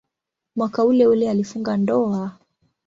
Mwaka uleule alifunga ndoa.